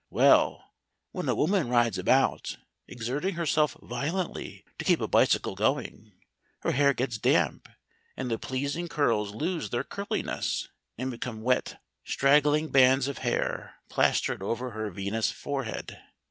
Well, when a woman rides about, exerting herself violently to keep a bicycle going, her hair gets damp and the pleasing curls lose their curliness and become wet, straggling bands of hair plastered over her venous forehead.